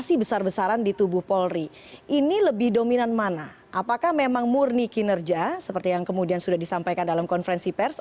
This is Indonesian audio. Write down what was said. ini lebih dominan mana apakah memang murni kinerja seperti yang kemudian sudah disampaikan dalam konferensi pers